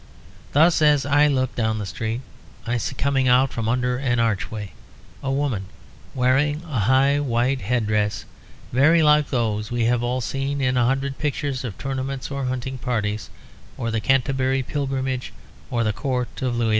Thus as I look down the street, I see coming out from under an archway a woman wearing a high white head dress very like those we have all seen in a hundred pictures of tournaments or hunting parties, or the Canterbury Pilgrimage or the Court of Louis XI.